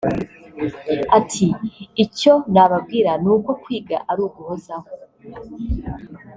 Ati“Icyo nababwira ni uko kwiga ari uguhozaho